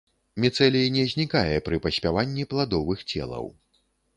Міцэлій не знікае пры паспяванні пладовых целаў.